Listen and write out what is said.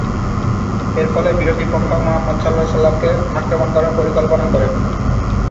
এর ফলে বিরোধী পক্ষ মুহাম্মদ স কে আক্রমণ করার পরিকল্পনা করে।